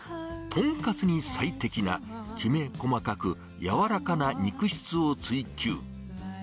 とんかつに最適なきめこまかく柔らかな肉質を追求。